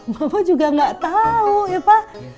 mama juga gak tau ya pak